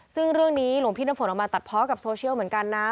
ซึ่งเรื่องนี้หลวงพี่น้ำฝนออกมาตัดเพาะกับโซเชียลเหมือนกันนะ